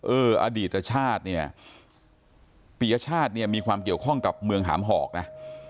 เอออดีตประชาติเนี่ยประชาติมีความเกี่ยวข้องกับเมืองหามหอกนะ